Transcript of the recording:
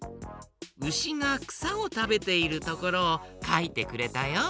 うしがくさをたべているところをかいてくれたよ。